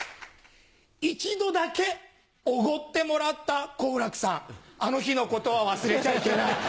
一度だけおごってもらった好楽さんあの日の事は忘れちゃいけない。